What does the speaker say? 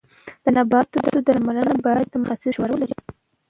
د نباتو درملنه باید د متخصص مشوره ولري.